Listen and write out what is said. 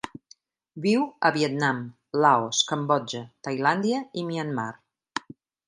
Viu al Vietnam, Laos, Cambodja, Tailàndia i Myanmar.